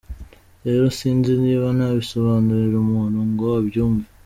Rero sinzi niba nabisobanurira umuntu ngo abyumve.